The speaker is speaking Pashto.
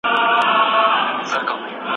کله د هند د مغولي او کله بیا د فارس د صفویانو.